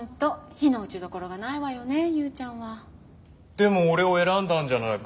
でも俺を選んだんじゃないか。